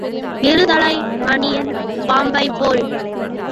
இருதலை மணியன் பாம்பைப் போல்.